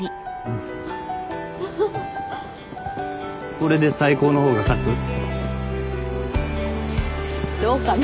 これで最高の方が勝つ？どうかな。